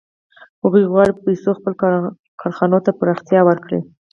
هغوی غواړي چې په پیسو خپلو کارخانو ته پراختیا ورکړي